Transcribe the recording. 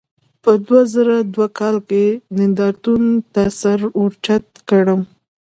په دوه زره دوه کال کې نندارتون ته سر ورجوت کړم.